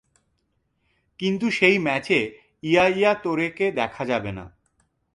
কিন্তু সেই ম্যাচে ইয়া ইয়া তোরেকে দেখা যাবে না।